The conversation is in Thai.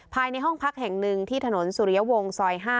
ภายในห้องพักแห่งหนึ่งที่ถนนสุริยวงศ์ซอย๕